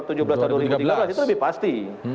itu lebih pasti